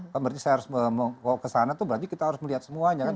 kan berarti saya harus bawa ke sana tuh berarti kita harus melihat semuanya kan